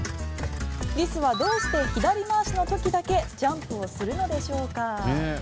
リスはどうして左回しの時だけジャンプをするのでしょうか。